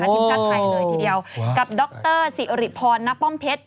ทีมชาติไทยเลยทีเดียวกับดรสิริพรณป้อมเพชร